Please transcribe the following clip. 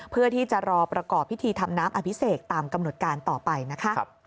เพื่อที่จะรอประกอบพิธีทำน้ำอภิเษกตามกำหนดการต่อไปนะคะ